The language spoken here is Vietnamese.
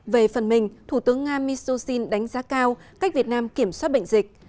về phần mình thủ tướng nga mishustin đánh giá cao cách việt nam kiểm soát bệnh dịch